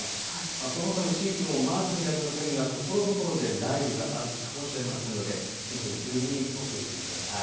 そのほかの地域もマークにはありませんがところどころで雷雨があるかもしれないので天気の急変にお気をつけください。